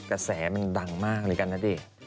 กระแสมันดังมากเลยกันนะดิ